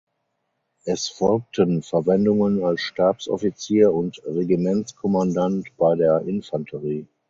Es folgten Verwendungen als Stabsoffizier und Regimentskommandant bei der Infanterie.